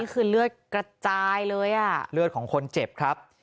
คือเลือดกระจายเลยอ่ะเลือดของคนเจ็บครับ